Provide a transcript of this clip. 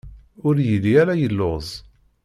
Ur yelli ara yelluẓ.